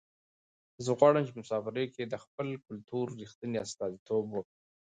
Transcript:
زه غواړم چې په مسافرۍ کې د خپل کلتور رښتنې استازیتوب وکړم.